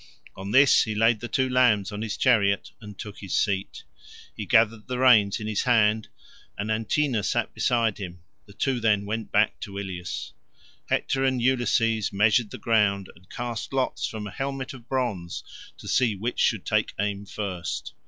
On this he laid the two lambs on his chariot and took his seat. He gathered the reins in his hand, and Antenor sat beside him; the two then went back to Ilius. Hector and Ulysses measured the ground, and cast lots from a helmet of bronze to see which should take aim first.